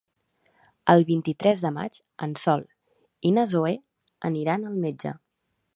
El vint-i-tres de maig en Sol i na Zoè aniran al metge.